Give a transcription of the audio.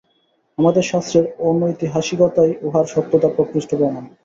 আমাদের শাস্ত্রের অনৈতিহাসিকতাই উহার সত্যতার প্রকৃষ্ট প্রমাণ।